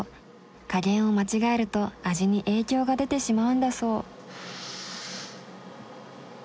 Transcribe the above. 加減を間違えると味に影響が出てしまうんだそう。